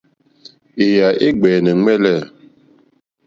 Èyà é ɡbɛ̀ɛ̀nɛ̀ ŋmɛ̂lɛ̂.